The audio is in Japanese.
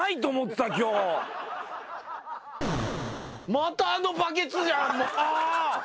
またあのバケツじゃん！